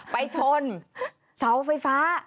ไปชนเสาไฟฟ้า